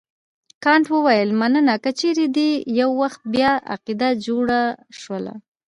کانت وویل مننه که چیرې دې یو وخت بیا عقیده جوړه شول.